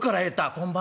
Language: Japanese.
「こんばんは。